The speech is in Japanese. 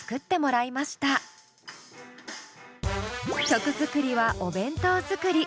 曲作りはお弁当作り。